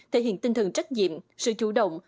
thể hiện tinh thần trách nhiệm sự chủ động